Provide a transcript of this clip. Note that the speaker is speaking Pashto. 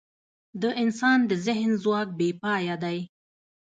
د انسان د ذهن ځواک بېپایه دی.